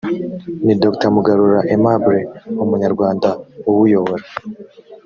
ni dr mugarura aimable umunyarwanda uwuyobora